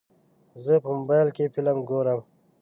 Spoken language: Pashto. زه په موبایل کې فلم ګورم.